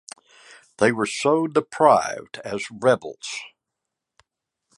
They were so deprived as "rebels".